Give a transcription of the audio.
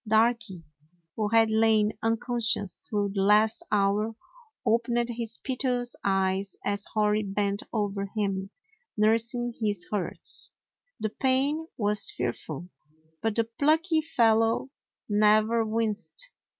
Darky, who had lain unconscious through the last hour, opened his piteous eyes as Hori bent over him, nursing his hurts. The pain was fearful, but the plucky fellow never winced.